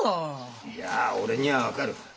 いや俺には分かる。